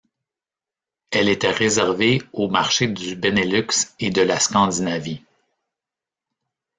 Elle était réservée aux marchés du Benelux et de la Scandinavie.